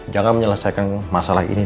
jangan menyelesaikan masalah ini